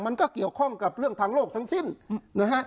มันก็เกี่ยวข้องกับเรื่องทางโลกทั้งสิ้นนะฮะ